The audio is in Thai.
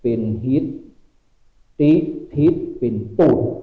ปินฮิสติ๊ฮิสปินตุษ